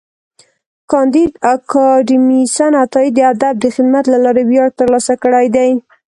کانديد اکاډميسن عطایي د ادب د خدمت له لارې ویاړ ترلاسه کړی دی.